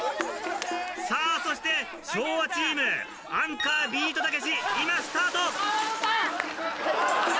さぁそして昭和チームアンカービートたけし今スタート！